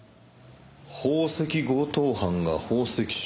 宝石強盗犯が宝石商か。